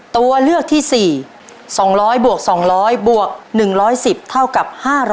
ตัวเลือกที่๔๒๐๐บวก๒๐๐บวก๑๑๐เท่ากับ๕๐๐